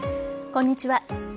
こんにちは。